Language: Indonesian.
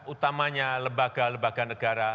utamanya lembaga lembaga negara